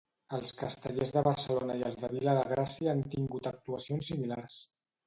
Els Castellers de Barcelona i els de Vila de Gràcia han tingut actuacions similars.